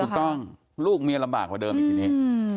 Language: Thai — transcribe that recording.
ลูกเมียลำบากกว่าเดิมอีกทีนี้